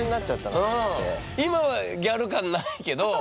今はギャル感ないけど。